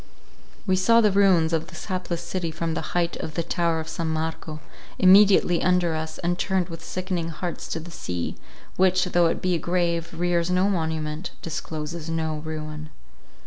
We saw the ruins of this hapless city from the height of the tower of San Marco, immediately under us, and turned with sickening hearts to the sea, which, though it be a grave, rears no monument, discloses no ruin.